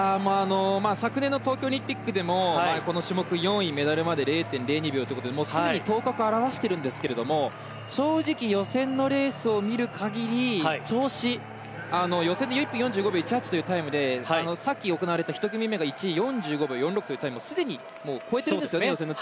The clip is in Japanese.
昨年の東京オリンピックでもこの種目４位、メダルまで０．０２秒ということですでに頭角を現しているんですが正直、予選のレースを見る限り調子、予選で４６秒１８というタイムでさっき行われたレースでは１位をすでに超えているんですね。